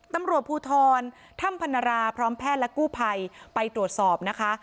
ตำรวจภูทรถ้ำพนราพร้อมแพทย์และกู้ภัยไปตรวจสอบนะคะ